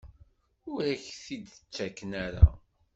Ur ak-t-id-ttaken ara?